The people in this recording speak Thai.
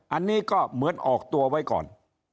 อันนี้ก็เหมือนออกตัวไว้ก่อน